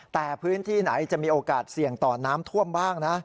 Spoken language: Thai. แต่พื้นที่ไหนจะมีโอกาสเสี่ยงต่อน้ำท่วมบ้างนะ